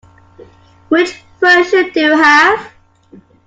Which version do you have?